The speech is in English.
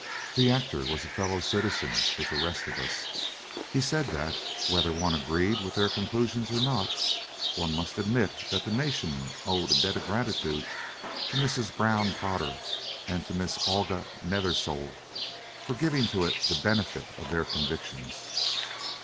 The actor was a fellow citizen with the rest of us. He said that, whether one agreed with their conclusions or not, one must admit that the nation owed a debt of gratitude to Mrs. Brown Potter and to Miss Olga Nethersole for giving to it the benefit of their convictions.